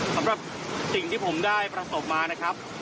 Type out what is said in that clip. สำหรับสิ่งที่ผมได้ประสบมานะครับ